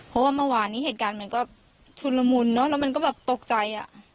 เพราะว่าเมื่อวานนี้เหตุการณ์มันก็ชุนละมุนเนอะแล้วมันก็แบบตกใจ